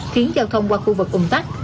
khiến giao thông qua khu vực ung tắc